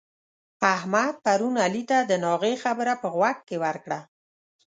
احمد پرون علي ته د ناغې خبره په غوږ کې ورکړه.